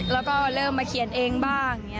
แล้วก็เริ่มมาเขียนเองบ้าง